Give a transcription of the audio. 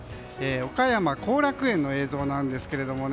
岡山後楽園の映像です。